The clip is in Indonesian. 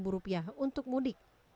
rp enam ratus untuk mudik